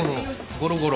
ゴロゴロ。